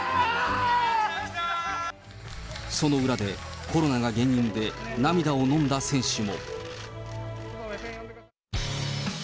その裏で、コロナが原因で涙をのんだ選手も。